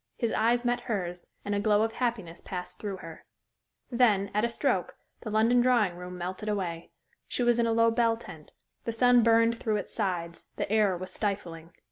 His eyes met hers, and a glow of happiness passed through her. Then, at a stroke, the London drawing room melted away. She was in a low bell tent. The sun burned through its sides; the air was stifling.